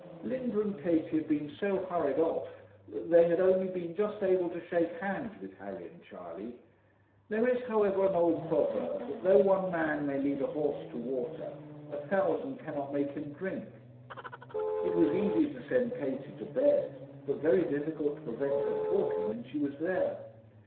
Linda and Katie had been so hurried off, that they had only been just able to shake hands with Harry and Charley. There is, however, an old proverb, that though one man may lead a horse to water, a thousand cannot make him drink. It was easy to send Katie to bed, but very difficult to prevent her talking when she was there.